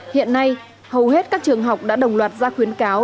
hiện nay hầu hết các trường học đã đồng loạt ra khuyến cáo